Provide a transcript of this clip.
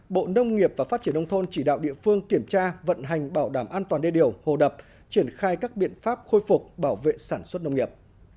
bộ nông nghiệp và phát triển nông thôn chỉ đạo địa phương kiểm tra vận hành bảo đảm an toàn đê điều hồ đập triển khai các biện pháp khôi phục bảo vệ sản xuất nông nghiệp